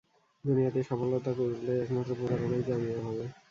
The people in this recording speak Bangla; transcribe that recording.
দুনিয়াতে সফলতা লাভ করলে একমাত্র প্রতারণাই কামিয়াব হবে।